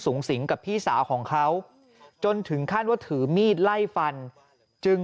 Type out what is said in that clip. สูงสิงกับพี่สาวของเขาจนถึงขั้นว่าถือมีดไล่ฟันจึง